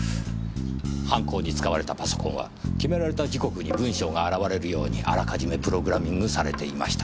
犯行に使われたパソコンは決められた時刻に文章が現れるようにあらかじめプログラミングされていました。